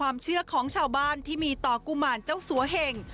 ความเชื่อของชาวบ้านที่มีต่อกุมารเจ้าสัวเหง